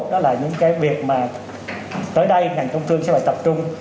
đó là những cái việc mà tới đây ngành công thương sẽ phải tập trung